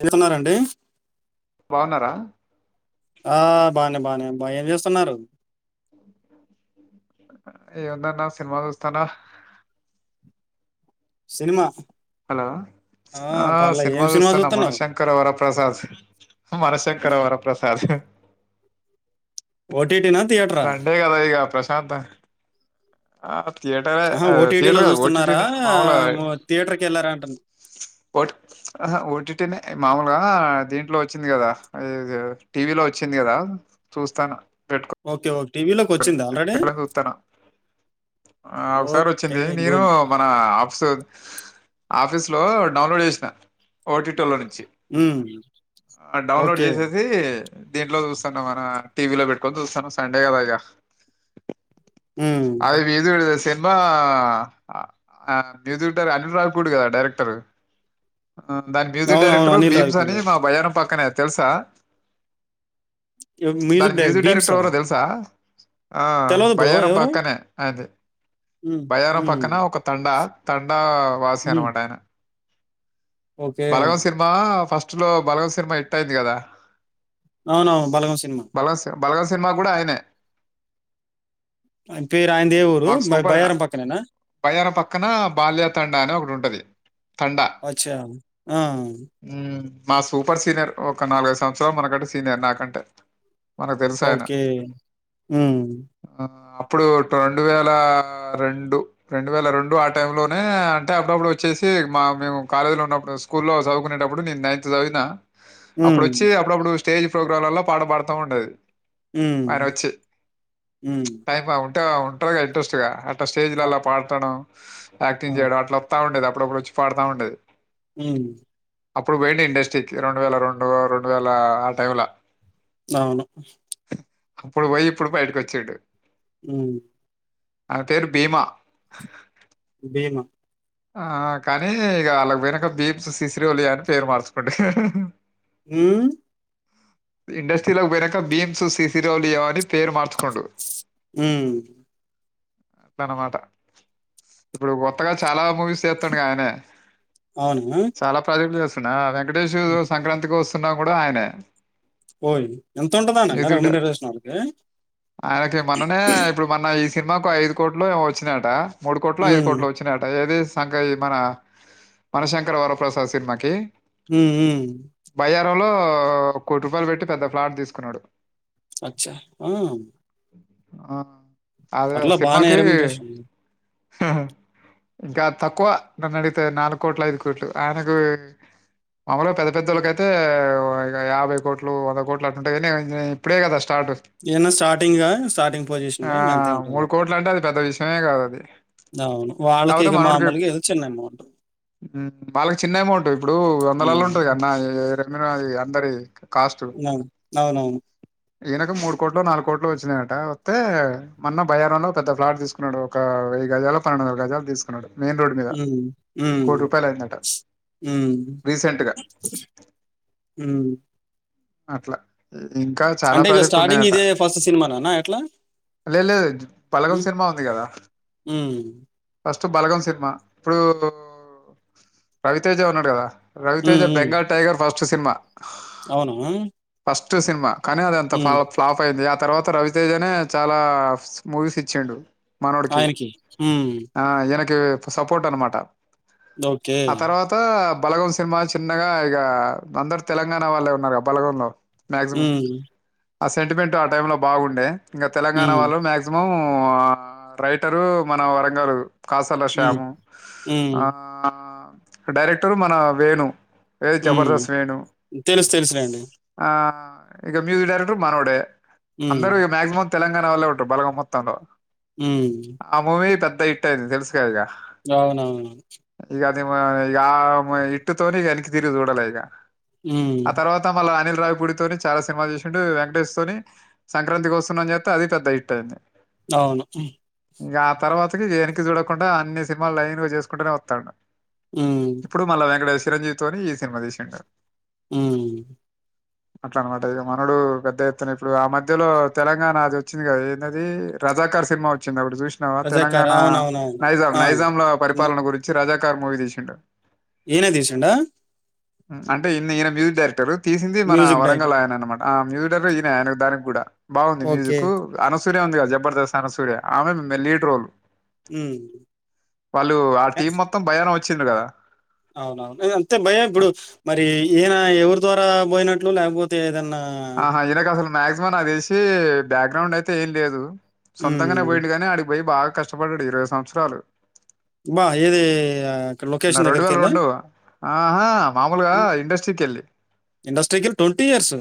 ఎళ్ళు తున్నారండి బాగున్నారా ఆ బానే బాగానే బా ఏం చేస్తున్నారు ఏముందన్నా సినిమా చూస్తున్నా సినిమా హలో ఆ పర్లే ఏం సినిమా చూస్తున్నా చూస్తున్నావు మనశంకర్ వరప్రసాద్ మనశంకర్ వరప్రసాద్ ఓడ్ సండే గదా ఇగా ప్రశాంత ఆహత్ ఆహ ఓటీడి లో చూస్తున్నారా మ్ థియేటర్ ఒ టి అ హ ఓటిటినే మామూలుగా దీంట్లో వచ్చింది గదా ఇ టీవీలో వచ్చింది కదా చూస్తాన ఓకే ఓకే టీవీలోకి వచ్చింది ఆల్రెడీ లా చూస్తాన ఒకసారి ఓకే వచ్చింది నేను గుడ్ మన ఆఫీస్ ఆఫీస్ లో డౌన్లోడ్ చేసినా ఓటీటీళ ను ఉమ్, డౌన్లోడ్ ఓకే చేసేసి దీంట్లో చూస్తున్నా మన టీవీ లో పెట్టుకొని చూస్తాన్నాం సండే గదా ఇ గా ఉమ్, అది విది పెడితే సేమ్ సినిమా మ్యూజిక్ట అనిల్ రావుపుడే కదా డైరెక్టర్ దాని మ్యూజిక్ అవును అవును డైరెక్టర్ అనిల్ భీమ్స్ రావిపూడి అని గారు మా భయాన పక్కనే అంది తెలుసా ఎవ్- దానికి డైరెక్ట్ మ్యూజిక్ భీమ్సా డైరెక్టర్ ఎవరో తెలుసా ఆ తెలియదు బ్రో బయ్యారం ఎవరు పక్కనే అది ఉమ్, బయ్యారం ఉమ్, పక్కన ఒక తండా తడ్ తండా వాసి ఉమ్, అనమాటా ఆయన ఓకే బలగంమ సినిమా ఫస్ట్ స్లో బలస సినిమా హిట్ అయింది కదా అవునువును బాగం సినిమా బలగాం సినిమా కూడా ఆయనే ఆయన పేరు ఆయనది ఏ ఊరు మాకు బ- సూపర్ బయ్యారం పక్కనేనా భయారం పక్కన బాల్య తండ అనే ఒకటి ఉంటది [inaudible] అచ్చా ఆ మ్మ్. మా సూపర్ సీనియర్ ఒక నాలుగైదు సంవత్సరాలు మనకంటే సీనియర్ నాకంటే మనకు తెలుసు ఆయన ఓకే ఆ ఆ, అప్పుడు రెండు వేల రెండు రెండు వేల రెండు ఆ టైంలో నే అంటే అప్పుడప్పుడు వచ్చేసి మా మేము కాలేజీలో ఉన్నప్పుడు స్కూల్లో చదువుకునేటప్పుడు నేను నైన్త్ చదివినా. అప్పుడు హ్మ్ వచ్చి అప్పుడు అప్పుడు వచ్చ స్టేజ్ ప్రోగ్రాంలలో పాట పాడతా ఉండది ఉమ్ హ [inaudible] ఉంట ఉంటారుగా ఇంట్రెస్ట్ గా స్టేజ్ అ ల పాడుతాడు యాక్టింగ్ అవును. చేయడం అట్లా వస్తా ఉంటది ఇప్పుడ కూడా వచ్చి పాడాతా ఉంటెది హ్మ్. అప్పుడు పోయండి ఇండస్ట్రీ రెండు వేల రెండు రెండు వేల ఆ టైమ్ ల అవును అప్పుడు పొయి ఇప్పుడు బయటకి వచ్చిండు అ [inaudible] అమె పేరు భీమా బీమా ఆ కానీ ఇగ వాళ్ళకు వెనక భీమ్స్ శిసిరి ఒలి అని పేరు మార్చుకోండి హ [inaudible] ఇండస్ట్రీ లోకి పోయినాక భీమ్స్ శిసిరోలు అని పేరు మార్చుకోండు హ్మ్. అట్లా అనమాట ఇప్పుడు కొత్తగా చాలా మూవీస్ చేస్తడు ఆయనే అవునా? చాలా ప్రాజెక్టులు చేస్తు వ [unintelligible] వెంకటేేశ్ హ్మ్. సంక్రాంతికి వాస్తు ఊన్నా కూడా ఆయనే పోయి ఎంత ఉండదాన్న అ మ్యూజిక్ రంగ డై నిర్వేశంకి ఆయనకి మొన్ననే ఇప్పుడు మొన్న ఈ సినిమాకు ఐదు కోట్లో ఏమో వచ్చినయట మూడు కొట్లో ఐదు హ్మ్. కోట్లో వచ్చి అంటే ఏది సంఘ ఈ మన మనశంకర్ వరప్రసాద్ సినిమాకి హుహు లో కోటి రూపాయలు పెట్టి పెద్ద ఫ్లాట్ తీసుకున్నాడు అచ్చా ఆ ఆ అట్లా బానే రెమ్యూనరేషన్ హహా ఇంకా తక్కువ నన్ను అడిగితే నాలుగు కోట్లు ఐదు కోట్లు ఆయనకు మామలుగ పెద్ద పెద్దళ్కైతే ఇ యాభై కోట్లు వంద కోట్లు అట్లుంటాయి కానీ ఈయన ఇప్పుడే కదా స్ ఈయన స్టార్టింగ్ గా స్టార్టింగ్ పొజిషన్ ఆ, గా ఇంగ అంతే ఉంటుంది లే అదే కాకపోతే మనోడికి మామూలుగా ఏదో చిన్న అమౌంట్. హు వాళ్ళకి చిన్న ఏమౌంట్ ఇప్పుడు వందలల్ల హ్మ్. ఉంటాంది కదన్నా కానీ అది అందరి కాస్ట్ ఆ అవునవును ఈయనకు మూడు కోట్లో నాలుగు కోట్లో వచ్చినాయట వతే మొన్న బయారంల పెద్ద ఫ్లాట్ తీసుకున్నాడు ఒక వెయ్యి గజలో పన్నెండు వం గజాలు తీసుకున్నాడు మెయిన్ రోడ్ మీద హు హు కోటి రూపాయలు అయిందట హు రీసెంట్ గా హు అట్లా ఇంకా చాలా అంటే ఇక ప్రాజెక్ట్ స్టార్టింగ్ ఉన్నాయట ఇదే ఫస్ట్ సినిమానేనా ఎట్లా? లేద్ లేదు హ్మ్. బలగం సినిమా ఉంది కదా హ్మ్. ఫస్ట్ బలగం సినిమా ఇప్పుడు రవితేజా ఉన్నాడు కదా రవితేజ హ్మ్. హ్మ్. బెంగాల్ టైగర్ ఫస్ చ్చ సినిమా అవునా ఫస్ట్ సినిమా కనీ అదంత ఫ హ్మ్. ఫ్లాప్ అయిది తర్వాత రవితేజనే చాలా మూవీస్ ఇచ్చిండు మనోడికి ఆయనకి హు ఆ ఈయనకీ సపోర్ట్ అన్నమాటా ఓకే. ఆ తర్వాత బలగం సినిమా చిన్నగా ఇగ అందరు తెలంగాణ వాళ్ళే ఉన్నారు బలగంలో హు మాక్సిమం ఆ సెంటిమెంటట్ ఆ టైమ్ లో బాగుండే ఇంగా తెలంగాణ హ్మ్. వాళ్ళు మ్యాగీజ్జిమం హు ఆ మన రైటరు మన వరంగారు కాసల హ్మ్. శ్యాము హ్మ్. ఆ డైరెక్టరు మన వేణు ఏది ఉ జబర్దస్త్ వేణు తెలుసు తెలుసు లెండి ఆ ఇక మ్యూజక్ డైరెక్టర్ మనోడే హ్మ్. అందరుూ మ్యాక్సిమం తెలంగాణ వల్లే ఉంటారు బలగం మొత్తంలో హ్మ్. అ మూవీ త టె తెలుసు గా ఇగ అవునవును ఇ అది ఇట్టుతోనే వెనకి తిరిగి చూడాలే ఇగా హ్మ్. ఆ తర్వాత మళ్ళ అనిల్ రావుపూడి తోని చాలా సినిమా చేసిండు వెంకటేష్ తోని సంక్రాంతి వస్తున్నాం చేస్తే అది పెద్ద హిట్ అయింది అవును ఇం ఆ తర్వాతకి చూడకుండా అన్ని సినిమాలు లైన్గా చేసుకుంటేనే వత్తండు హ్మ్. ఇప్పుడు మళ్ళా వెంకటేశ్వ చిరంజీవితోని ఈ సినిమా తీసిండు హ్మ్మ్ అట్లా అనమాట ఇగ మనోడు పెద్ద ఎత్తున ఇప్పుడు ఆ మధ్యలో తెలంగాణ అది వచ్చింది కదా ఏందీ అది రజాకర్ సినిమా వచ్చింది అప్పుడు ఇప్పుడు చూసినావా రజాకార్. తెలంగాణ అవునవునవును. నైజాం ఆ! నైజాంల పరిపాలన గురించి రాజా కార్ మూవీ తీసిండు ఈనే తీసిండా అంటే ఇన్ని ఈయన మ్యూజిక్ డైరెక్టర్ తీసింది మన మ్యూజిక్ డైరెక్టర్. వరంగల్ ఆయన అనమాట ఆ మ్యూజిక్ డైరెక్టర్ ఈనె ఆయన దానికి గుడా బావుంది ఓకే. మ్యూజిక్ అ సూర్య ఉంది కదా జబర్దస్త్ అన్నసూర్య ఆమె లీడ్ రోల్ హ్మ్. వాళ్ళు ఆ ఎ టీం మొత్తం భయాన వచ్చ వచ్చిండ్లు కదా అవునవును అంతే భయ ఇప్పుడు మరి ఈయన ఎవరి ద్వారా పోయినట్టు ట్ లో లేకపోతే ఏదన్నా ఆహా ఇనకసలు మాక్సిమం నాకు తెలిసి బ్యాక్ గ్రౌండ్ అయితే ఏం లేదు సొంతంగానే హ్మ్. పోయిండుగని అడి పోయి బాగా కష్టపడ్డాడు ఇరవై సంవత్సరాలు బా ఈది నా రెండు వేల రెండు ఆహా మామూలుగా ఇండస్ట్రీకేళ్ళి ఇండస్ట్రీకి ట్వంటీ ఇయర్స్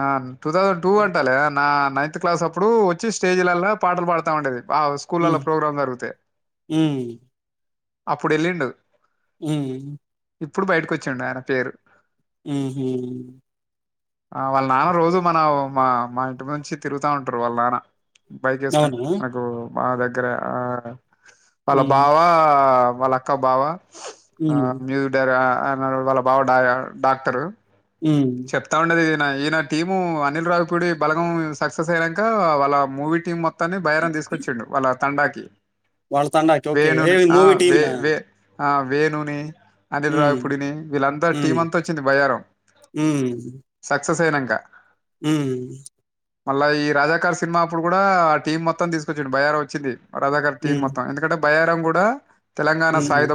ఆ టూ థౌసండ్ టూ అంటాలే నా నైన్త్ క్లాస్ అప్పుడు వచ్ చ్చ్ స్టేజిలళ్లా పాటలు పాడుతా ఉండేది. అవ్ స్కూల్ ల్లా ఉమ్, ప్రోగ్రామ్ జరుగుతే ఉమ్, అప్పుడు వెళ్ళిండు ఉమ్ ఇప్పుడు బయటకు వచ్చిండు ఆయన పేరు ఊహుమ్ ఆ వాళ్ళ నాన్న రోజు మన మా మా ఇంటి నుంచి తిరుగుతా ఉంటారు. వాళ్ళ నాన్న బైక్ ఎసుకని అవునా మనకు మా దగ్గర ఆ వాళ్ళ ఉమ్, బావా వాళ్ళ అక్క బావా ఆ ఉమ్, మీద్ ఉంటారా ఆర్నా వాళ్ళ బావ డాయా డాక్టరు ఉమ్. చెప్తా ఉండేదిది. ఈయన టీము అనిల్ రావిపూడి బలగం సక్సెస్ అయ్యినాంక వాళ్ళ మూవీ టీం మొత్ త్తాన్ని బయ్యారం తీసుకొచ్చండి. వాళ్ళ తండాకి వాళ్ళ తండాకి ఓకే ఏ వేణుని ఆ మూవి వే టీమ్నా వే ఆ వేణుని అనిల్ రావి ఉమ్, పూడిని వీళ్ళంతా ఉమ్, టీమ్ అంతా వచ్చింది. బయ్యారం ఉమ్, సుసేయినంక ఉమ్ మళ్ళా ఈ రాజాకారు సినిమా అప్పుడు కూడా ఆ టీమ్ మొత్తం తీసుకొచ్చిండి. భయ్యారం వచ్చింది. ఆ రాధాకార్ టీమ్ ఉమ్, మొత్తం ఎందుకంటే బయ్యరం కూడా తెలంగాణ స్ మ్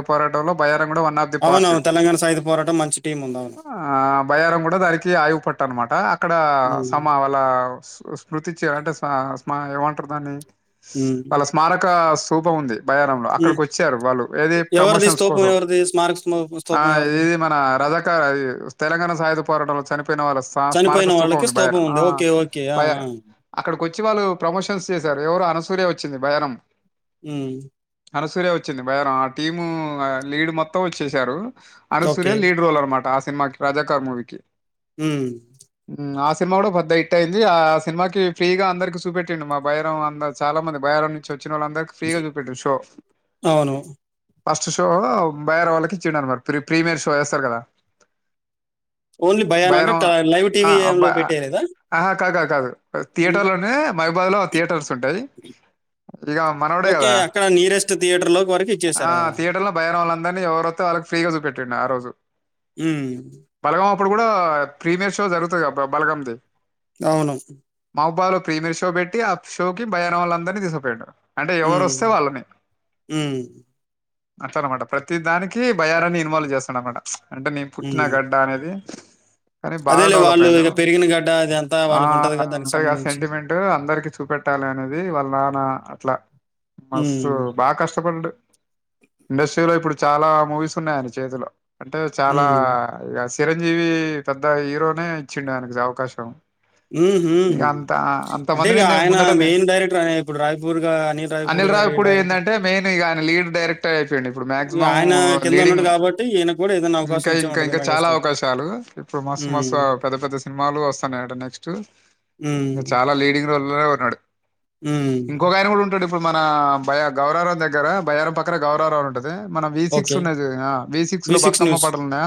అవును తెలంగాణ సాయుద పోరాటం మంచి టీం ఉంది. అవును ఆ, బయారం కూడా దానికి ఆయువు పట్టు అనమాట అక్కడ ఉమ్, సమా వాళ్ళ సృష్ స్మృతి చే అంటే సాస్ మా ఏమంటరు దాన్ని ఉమ్, వాళ్ళ స్మారక స్ రూపం ఉంది. భయానంలో ఉమ్. అక్కడికి వచ్చారు వాళ్ళు ఏది ఎవరిది ప్రమోషన్స్ స్తూపం కోసం ఎవరిది స్మారక స్తూ- ఆ స్తూపం ఎవరిది ఇది మన రజక తెలంగాణ సాయుధ పోరాటంలో చనిపోయిన వాళ్ళ స్మారక చనిపోయిన స్థూపం వాళ్ళకి ఉంది బహర స్తూపం ఓకే ఓకే ఆ, బయ ఆ. అక్కడికి వచ్చి వాళ్ళు ప్రమోషన్స్ చేశారు ఎవరు సూరయ వచ్చింది భయానాం హ్మ్మ్ అనసూరా వచ్చింది బయాన టీము లీడ్ మొత్తం వచే సారు అనసూర్య ఓకే లీడ్ రోలర్ అనమాట [unintelligible] హమ్మ్ ఆ సినిమా కూడా పెద్ద హిట్ అయింది ఆ సినిమాకి ఫ్రీగా అందరిక చూపెట్టండి మా బైరం అంద చాలా మంది భైారం నుంచి వచ్చ వచ్చినోళ్లందరికీ ఫ్రీగా చూపేటెండు షో అవును. ఫస్ట్ షో బైర్ వాళ్ళకి ఇచ్చిండను మరి ప్రీ ప్రీమియర్ షో వేస్తారు కదా ఓన్లీ భయానా బైరం అంటే లైవ్ టీవీ లో పెట్టేయలేదా కాద కాదు హ్మ్. థియేటర్లున్నా మహబాద్ లో థియేటర్స్ ఉంటాయి ఇక మనవడే ఓకే. కదా అక్కడ నియరెస్ట్ థియేటర్‌లో వరకు ఆ ఇచ్చేసారా? థియటర్ లో బయారా వాళ్ళ అందరిని ఎవరోస్తే వాళ్ళకి ఫ్రీగా చూపెటాడు ఆ రోజు హ్మ్మ్ ఇప్పుడు కూడా ప్రీమియర్ షో జరుగుతుంది బలగామ్ది అవును మాబాలో ప్రీమియర్ షో పెట్టి ఆ షోకి భయానం వల్లందరినీ తీసుకు పోయాడు అంటే ఎవరు హ్మ్. వస్తే వాళ్ళని హ్మ్. అట్లా అనమాట ప్రతి దానికి భయారాన్ని ఇన్వాల్వ్ చేస్తాడు అన్నమాట అంటే నేను పుట్టిన హ్మ్. గడ్డ అనేది కానీ బాగా అదేలే డెవలప్ వాళ్ళు అయండు ఇక పెరిగిన గడ్డ అదంతా ఆ వాళ్ళకుంటది కదా! దానికి ఉంటాగా ఆ సంబంధించి. సెంటిమెంట్ అందరికి చూపెట్టాలి అనేది వాళ్ళ నాన్న ట్లా మస్తు హ్మ్. బా కష్టపడ్డడు ఇండస్ట్రీలో ఇప్పుడు చాలా మూవీస్ ఉన్నాయి ఆయన చేతిలో అంటే చాలా హ్మ్. ఇ చిరంజీవి పెద్ద హీరోనే ఇచ్చిండే ఆయనకి అవకాశం ఉ ఇక అంత అంత అంటే ఇక మందిని ఆయన ముందటనే మెయిన్ డైరెక్టర్ అనే ఇప్పుడు రాయ్పూర్గా అని రాయ్పూర్ అనిల్ గారి డైరెక్ట్ యిపోయి ఇప్పుడు మక్సిమం ఉన్నాడు లీడింగ్ కాబట్టి ఈయనకు కూడా ఏదైనా అవకాశం ఇంకా ఇచ్చే ఇంకా ఉంటది ఇంకా చాలా 'మెగాస్టార్'. అవకాశాలు ఇప్పుడు మస్తు మస్తు హ్మ్. పెద్ద పెద్ద సినిమాలు వస్తున్నా చు హ్మ్. డ్రైవర్ ఉన్నాడు హ్మ్. ఇంకొకా యన కూడా ఉంటడు ఇప్పుడు మన భయ గౌరారం దగ్గర బయ్యారం పక్కన గౌరారంవ ఉంటది మన వి సిక్స్ ఓకే. ఉన్నాది వదిన వి సిక్స్ లో బతుకమ్మ న్యూస్'. పాటలు ఉన్నాయ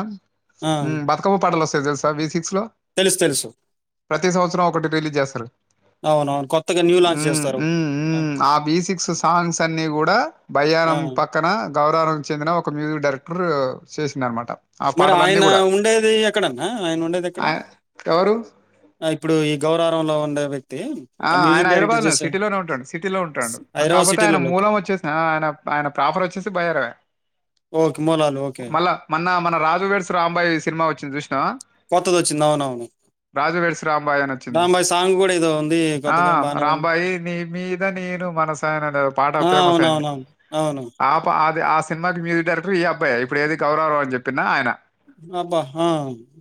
ఆ! మ్ బతుకమ్మ పాటలు వస్త సజల్సావి తెలుసు తెలుసు. [unintelligible] ప్రతి సంవత్సరం ఒకటి రిలీజ్ చేస్తారు. అవునవును. కొత్తగా న్యూ లాంచ్ మ్.. చేస్తారు. ఓకే. మ్.. మ్.. ఆ వి సిక్స్ సాంగ్స్ అన్నీ కూడా ఆ! బయ్యారం పక్కనా గౌరారంకి చెందిన ఒక మ్యూజిక్ డైరెక్టర్ చేసింది అనమాట మరి ఆయన ఉండేది ఎక్కడన్నా ఆయన ఉండేది ఎక్కడ ఆయ ఎవరు? ఇప్పుడు ఈ గౌరారంలో ఉండే వ్యక్తి ఆ ఆయన మ్యూజిక్ హైదరాబాద్ డైరెక్టర్ లో చేసే సిటీలోనే ఉంటాడు సిటీలో ఉంటాడు 'హైదరాబాద్ కాకపోతే ఆయన సిటీలోలోకి.' మూలం వచ్చేసిన ఆయన ఆయన ప్రాఫర్ వచ్చేసి బయ్యారమె ఓకే. మూలాలు ఓకే. మళ్ళా మొన్న మన రాజు వేడ్స్ రాంబాయి సినిమా వచ్చింది చూసినా కొత్తదొచ్చింది. అవునవును. రాజు వేడ్స్ రాంబాయి అని వచ్చింది 'రాంబాయ్' సాంగ్ గూడా ఏదో ఉంది ఆ కొత్తగా బానే ఉంది. రాంబాయి ని మీద నేను మనసాయిఅని పాట ఆ! ఫేమస్ అయింది అవునవునవును. అవును. ఆ ఆ సినిమా కి మ్యూజక్ డైరెక్టర్ ఈ అబ్బాయె ఇప్పుడు ఏది కౌరారం అని చెప్పిన్నా ఆయన అబ్బా హా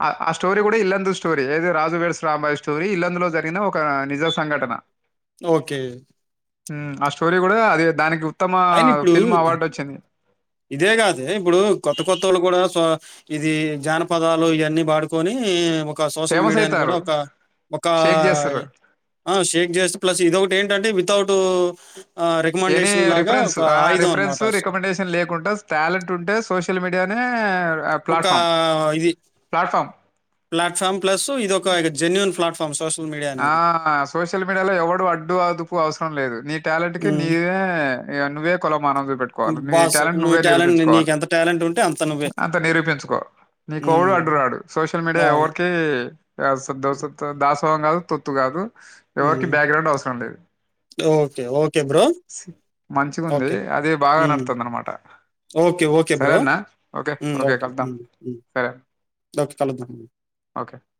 ఆ ఆ స్టోరీ కూడా ఇల్లందు స్టోరీ అది రాజు వెడ్స్ రాంయిబా స్టోరీ ఇల్లందులో జరిగిన ఒక నిజ సంఘటన ఓకే ఆ స్టోరీ కూడా అదే దానికి ఉత్తమ అయినా ఇప్పుడు ఫిల్మ్ ఇది అవార్డు వచ్చింది ఇదే కాదే ఇప్పుడు కొత్త కొత్తోళ్ళు కూడా ఇది జానపదాలు ఇయన్నీ పాడుకోని సోషల్ ఫేమస్ మీడియాని కూడా అవుతారు ఒక ఒకా షేక్ చేస్తారు షేక్ చేస్తె ప్లస్ ఇదొకటి ఏంటంటే టు ఆ ఎనీ రికమెండేషన్ లాగా ఒక ఆయుధం అనమాట అసలు ఉంటా టాలెంట్ ఉంటే సోషల్ మీడియానే ఒకా ప్లాట్ఫామ్ ఇది ప్లాట్ఫామ్ ప్లాట్ఫార్మ్ ప్లస్ ఇది ఒక జన్యున్ ప్లాట్ఫార్మ్ [unintelligible] ఆ సోషల్ మీడియాలో ఎవడు అడ్డు అదుపు అవసరం లేదు నీకు టేలెంట్ కి హ్మ్. నీవే ఏ నువ్వే కొ పెట్టుకోవాలి నీ బాస్ టాలెంట్ నువ్వు నువ్వే టాలెంట్ నిరూపించుకోవాలె నీకెంత టాలెంట్ ఉంటే అంత నువ్వే. అంత నిరూపించుకో నీకెవడు హ్మ్. అడ్డురాడు సోషల్ మీడియా అవును. ఎవరికి దాసొ ఏం అన్నావు తొత్తు కాదు ఎవరికి హ్మ్. బ్యాక్గ్రౌండ్ అవసరం లేదు ఓకే. Okay bro. మంచిగా ఉంది ఓకే. అది బాగా హ్మ్. నడుతుంది అన్నమాట ఓకే. ఓకే సరే బ్రో. అన్నా ఓకే హ్మ్. ఓకే కలుద్దాం హ్మ్. హ్మ్. సరే ఓకే. కలుద్దాం. ఓకే